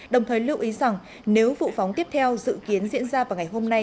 đồng thời lưu ý rằng nếu vụ phóng tiếp theo dự kiến diễn ra vào ngày hôm nay